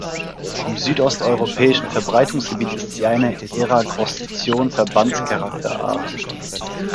Im südosteuropäischen Verbreitungsgebiet ist sie eine Eragrostion-Verbandscharakterart.